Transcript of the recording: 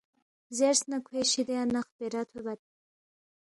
زیرس نہ کھوے شِدیا نہ خپیرا تھوبَت